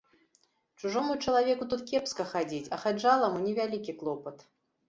Чужому чалавеку тут кепска хадзіць, а хаджаламу не вялікі клопат.